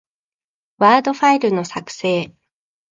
ワードファイルの、作成